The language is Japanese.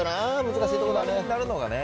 難しいところだね。